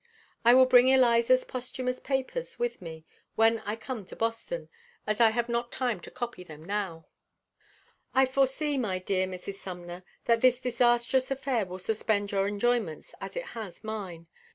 I will bring Eliza's posthumous papers with me when I come to Boston, as I have not time to copy them now. I foresee, my dear Mrs. Sumner, that this disastrous affair will suspend your enjoyments, as it has mine.